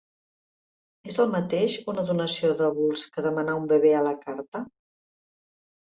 És el mateix una donació d’òvuls que demanar un bebè a la carta?